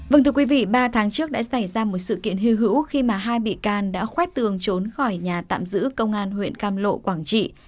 vâng thưa quý vị ba tháng trước đã xảy ra một sự kiện hư hữu khi mà hai bị can đã khoét tường trốn khỏi nhà tạm giữ công an huyện cam lộ quảng trị